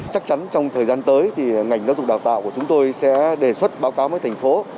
chắc chắn trong thời gian tới thì ngành giáo dục đào tạo của chúng tôi sẽ đề xuất báo cáo với thành phố